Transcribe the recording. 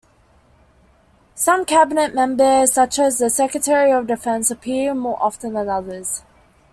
Some cabinet members, such as the Secretary of Defense, appear more often than others.